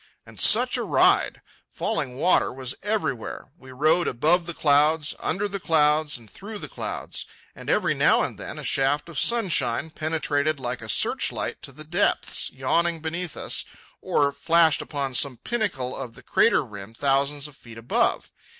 And such a ride! Falling water was everywhere. We rode above the clouds, under the clouds, and through the clouds! and every now and then a shaft of sunshine penetrated like a search light to the depths yawning beneath us, or flashed upon some pinnacle of the crater rim thousands of feet above.